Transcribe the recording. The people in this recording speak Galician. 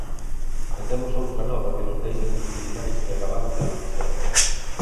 E temos outra nova que nos deixan os tribunais que acabamos de coñecer.